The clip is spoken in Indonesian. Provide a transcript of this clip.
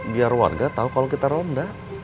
biar warga tahu kalau kita romda